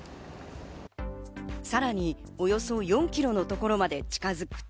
さらに、およそ４ｋｍのところまで近づくと。